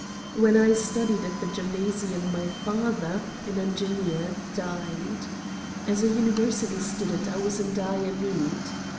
"When I studied at the gymnasium my father, an engineer, died. As a university student I was in dire need.